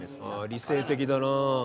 理性的だなあ。